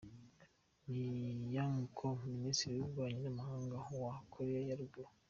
Ri Yong Ho minisitiri w’ububanyi n’amahanga wa Koreya ya Ruguru